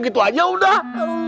gitu aja udah